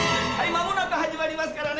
間もなく始まりますからね。